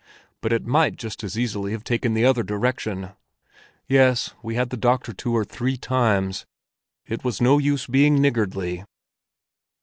But it might just as easily have taken the other direction. Yes, we had the doctor to her three times; it was no use being niggardly."